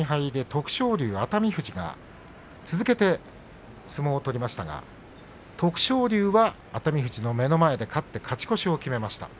徳勝龍、熱海富士が続けて相撲を取りましたが徳勝龍は熱海富士の目の前で勝って勝ち越しを決めました。